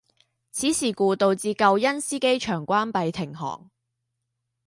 此事故导致旧恩施机场关闭停航。